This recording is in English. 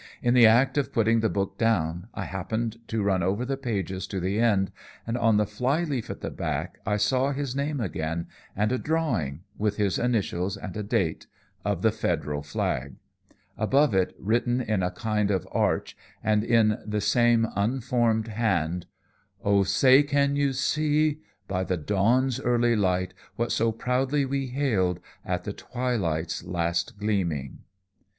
In the act of putting the book down, I happened to run over the pages to the end, and on the fly leaf at the back I saw his name again, and a drawing with his initials and a date of the Federal flag; above it, written in a kind of arch and in the same unformed hand: 'Oh, say, can you see by the dawn's early light What so proudly we hailed at the twilight's last gleaming?'